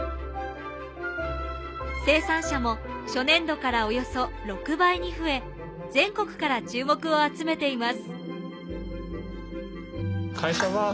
生産者も初年度からおよそ６倍に増え全国から注目を集めています。